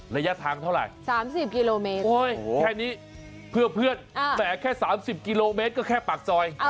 ระยะทางเท่าไหร่๓๐กิโลเมตรแค่นี้เพื่อเพื่อนแหมแค่๓๐กิโลเมตรก็แค่ปากซอย